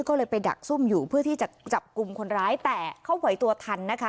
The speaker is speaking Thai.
ก็เลยไปดักซุ่มอยู่เพื่อที่จะจับกลุ่มคนร้ายแต่เขาไหวตัวทันนะคะ